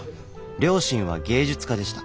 両親は芸術家でした。